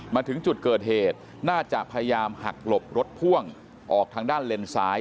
มาถึงจุดเกิดเหตุน่าจะพยายามหักหลบรถพ่วงออกทางด้านเลนซ้าย